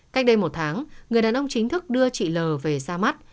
cách đây một tháng người đàn ông chính thức đưa chị l về ra mắt